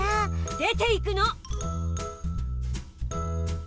出ていくの！